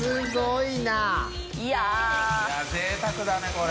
いやぜいたくだねこれ。